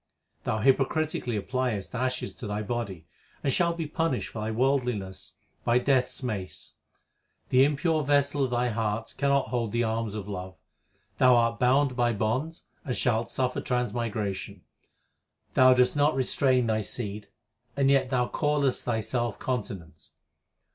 Thou hypocritically appliest ashes to thy body, And shalt be punished for thy worldliness by Death s mace. The impure vessel 2 of thy heart cannot hold the alms of love. Thou art bound by bonds and shalt suffer transmigration. Thou dost not restrain thy seed, and yet thou callest thyself continent.